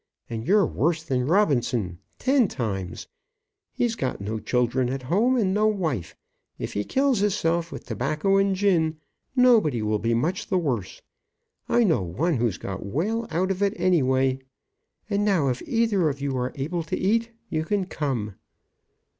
And you're worse than Robinson ten times. He's got no children at home, and no wife. If he kills hisself with tobacco and gin, nobody will be much the worse. I know one who's got well out of it, anyway. And now, if either of you are able to eat, you can come."